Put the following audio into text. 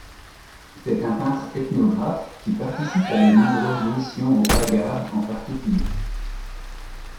C'est un peintre ethnographe qui participe à de nombreuses missions au Hoggar en particulier.